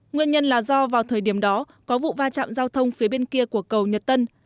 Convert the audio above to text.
nguyên nhân là do vào thời điểm đó có vụ va chạm giao thông phía bên kia của cầu nhật tân